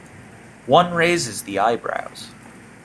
One raises the eyebrows.